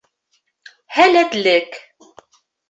Һәләтлек